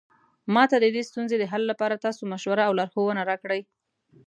ما ته د دې ستونزې د حل لپاره تاسو مشوره او لارښوونه راکړئ